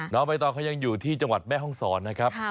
ใบตองเขายังอยู่ที่จังหวัดแม่ห้องศรนะครับ